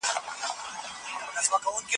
که ماشوم هڅول کېږي، ویره نه پاتې کېږي.